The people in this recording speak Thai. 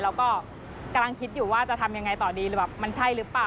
แล้วก็กำลังคิดอยู่ว่าจะทำยังไงต่อดีหรือแบบมันใช่หรือเปล่า